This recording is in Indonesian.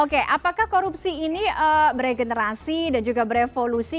oke apakah korupsi ini beregenerasi dan juga berevolusi